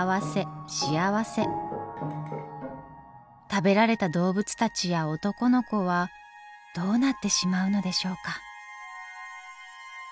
食べられた動物たちや男の子はどうなってしまうのでしょうか？